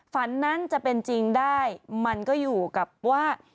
ฝันนั้นจะเป็นจริงได้มันก็อยู่กับว่า